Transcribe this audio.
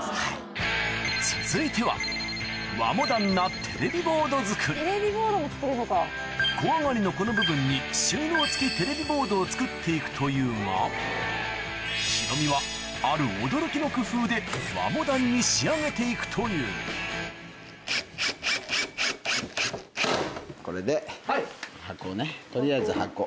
続いては小上がりのこの部分に収納付きテレビボードを作っていくというがヒロミはある仕上げていくというこれで箱ね取りあえず箱。